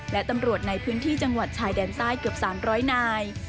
และตำรวจในพื้นที่จังหวัดชายแดนใต้เกือบ๓๐๐นาย